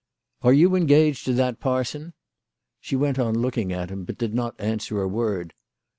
" Are you engaged to that parson ?" She went on looking at him, but did not answer a word.